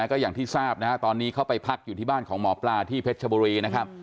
ก็อย่างที่ทราบนะฮะตอนนี้เขาไปพักอยู่ที่บ้านของหมอปลาที่เพชรชบุรีนะครับ